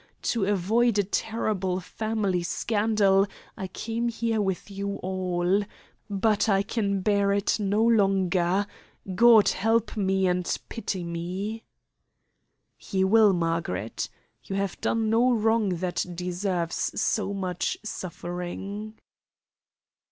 To avoid a terrible family scandal I came here with you all. But I can bear it no longer. God help me and pity me!" "He will, Margaret. You have done no wrong that deserves so much suffering."